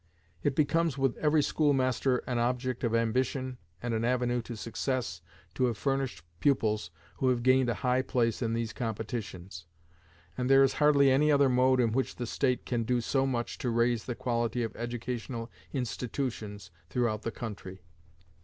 It becomes with every schoolmaster an object of ambition and an avenue to success to have furnished pupils who have gained a high place in these competitions, and there is hardly any other mode in which the state can do so much to raise the quality of educational institutions throughout the country.